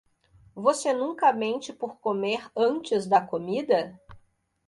Você nunca mente por comer antes da comida?